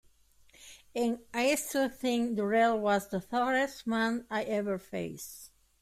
And I still think Durelle was the toughest man I ever faced.